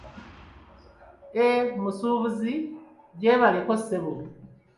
..."Eh musuubuzi gyebaleko ssebo?